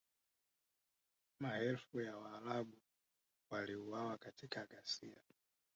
Maelfu ya Waarabu waliuawa katika ghasia